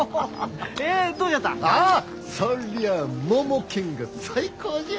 ああそりゃあモモケンが最高じゃ。